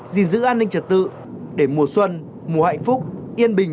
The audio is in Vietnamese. gìn giữ an ninh trật tự để mùa xuân mùa hạnh phúc yên bình